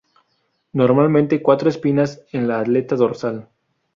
Normalmente cuatro espinas en la aleta dorsal.